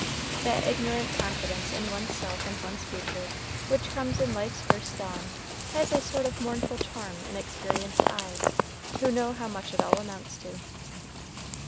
That ignorant confidence in one's self and one's future, which comes in life's first dawn, has a sort of mournful charm in experienced eyes, who know how much it all amounts to.